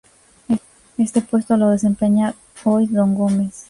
Este puesto lo desempeña hoy Don Gómez.